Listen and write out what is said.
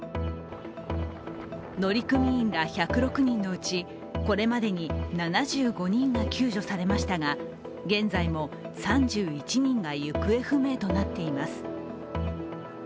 乗組員ら１０６人のうちこれまでに７５人が救助されましたが現在も３１人が行方不明となっています。